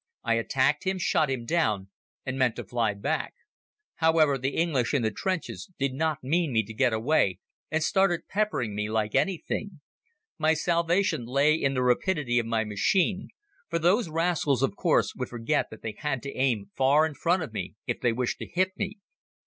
I attacked him, shot him down, and meant to fly back. However, the English in the trenches did not mean me to get away and started peppering me like anything. My salvation lay in the rapidity of my machine, for those rascals, of course, would forget that they had to aim far in front of me if they wished to hit me.